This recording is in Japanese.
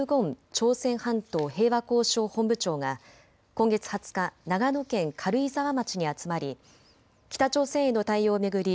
朝鮮半島平和交渉本部長が今月２０日、長野県軽井沢町に集まり北朝鮮への対応を巡り